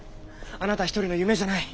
あなた一人の夢じゃない。